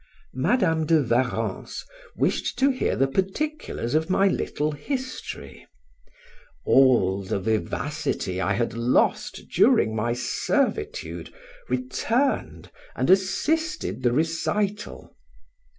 Madam de Warrens wished to hear the particulars of my little history all the vivacity I had lost during my servitude returned and assisted the recital.